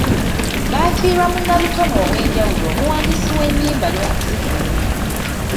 Baafiirwa munnabitone ow'enjawulo omuwandiisi w'ennyimba n'okuzifulumya.